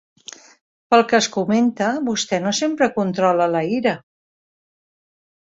Pel que es comenta, vostè no sempre controla la ira.